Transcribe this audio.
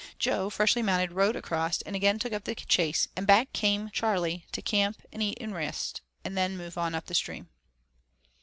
Jo, freshly mounted, rode across, and again took up the chase, and back came Charley to camp to eat and rest, and then move on up stream.